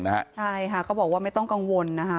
ใช่ค่ะก็บอกว่าไม่ต้องกังวล